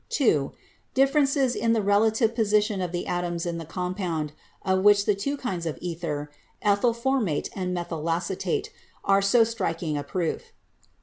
(2) Differences in the relative position of the atoms in the compound, of which the two kinds of ether (ethyl formate and methylacetate) are so striking a proof.